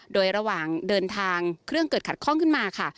โดยระหว่างเดินทางเครื่องเกิดขัดข้องขึ้นมาค่ะ